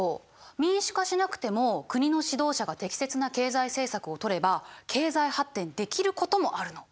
民主化しなくても国の指導者が適切な経済政策をとれば経済発展できることもあるの。